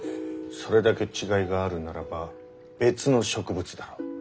それだけ違いがあるならば別の植物だろう。